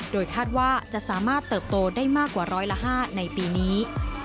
โดยคาดว่าจะสามารถเติบโตได้มากกว่าร้อยละ๕ในปีนี้